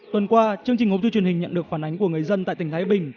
tuần qua chương trình hôm thứ truyền hình nhận được phản ánh của người dân tại tỉnh thái bình